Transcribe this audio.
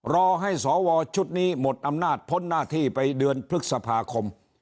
รอให้สวชุดนี้หมดอำนาจพ้นหน้าที่ไปเดือนพฤษภาคม